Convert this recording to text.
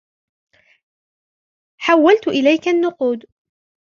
حوّلت إليك النّقود.